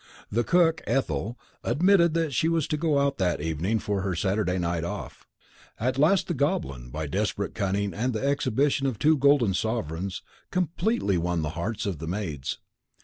The cook, Ethel, admitted that she was to go out that evening for her Saturday night off. At last the Goblin, by desperate cunning and the exhibition of two golden sovereigns, completely won the hearts of the maids.